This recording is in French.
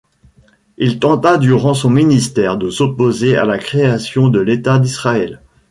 Il tenta durant son ministère de s'opposer à la création de l'État d'Israël.